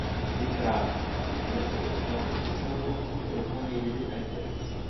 Il trust, a differenza del contratto fiduciario, è opponibile ai terzi.